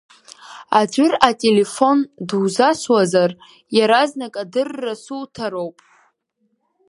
Аӡәыр ателефон дузасуазар, иаразнак адырра суҭароуп.